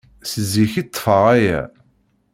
Seg zik i ṭṭfeɣ aya.